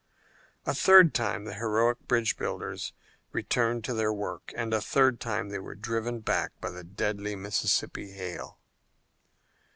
A third time the heroic bridge builders returned to their work, and a third time they were driven back by the deadly Mississippi hail.